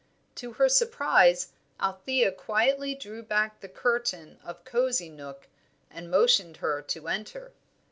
To her surprise Althea quietly drew back the curtain of Cosy Nook, and motioned her to enter.